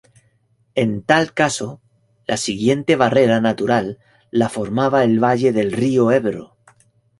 En tal caso, la siguiente barrera natural la formaba el valle del río Ebro.